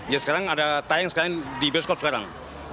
ya sekarang ada tayang sekarang di bioskop sekarang